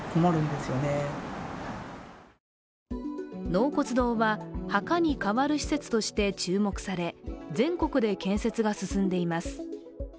納骨堂は、墓に代わる施設として注目され全国で建設が進んでいます。